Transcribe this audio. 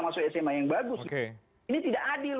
masuk sma yang bagus ini tidak adil